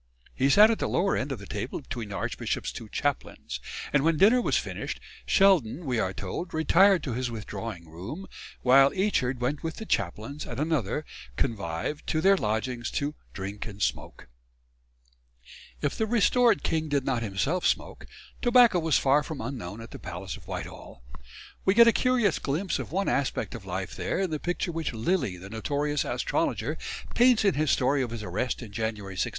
He sat at the lower end of the table between the archbishop's two chaplains; and when dinner was finished, Sheldon, we are told, retired to his withdrawing room, while Eachard went with the chaplains and another convive to their lodgings "to drink and smoak." If the restored king did not himself smoke, tobacco was far from unknown at the Palace of Whitehall. We get a curious glimpse of one aspect of life there in the picture which Lilly, the notorious astrologer, paints in his story of his arrest in January 1661.